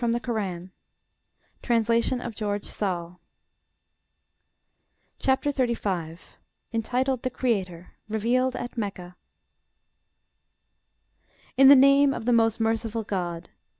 FROM THE QU'RAN Translation of George Sale CHAPTER XXXV.: INTITLED "THE CREATOR." REVEALED AT MECCA In the name of the most merciful GOD.